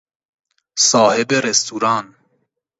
صاحب رستوران